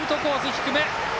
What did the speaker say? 低め。